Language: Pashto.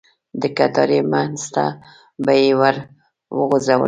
د کټارې منځ ته به یې ور وغوځولې.